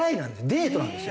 デートなんです。